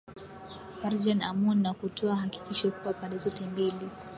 parjan amoon na kutoa hakikisho kuwa pande zote mbili